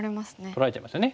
取られちゃいますよね。